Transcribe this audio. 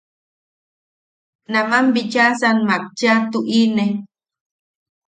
Naman bichasan mak cheʼa tuʼi-ne.